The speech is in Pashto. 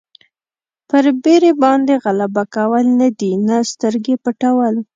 پر بېرې باندې غلبه کول دي نه سترګې پټول.